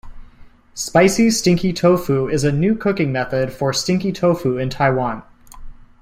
Spicy stinky tofu is a new cooking method for stinky tofu in Taiwan.